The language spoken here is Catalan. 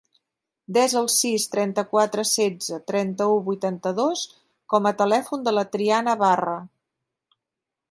Desa el sis, trenta-quatre, setze, trenta-u, vuitanta-dos com a telèfon de la Triana Barra.